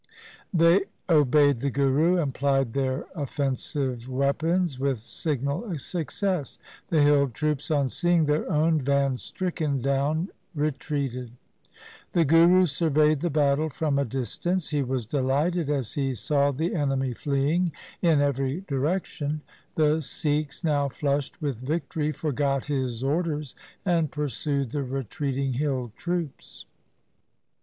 They obeyed the Guru, and plied their offensive weapons with signal success. The hill troops on seeing their own van stricken down retreated. The Guru surveyed the battle from a distance. He was delighted as he saw the enemy fleeing in every direction. The Sikhs now flushed with victory forgot his orders and pursued the retreating hill troops.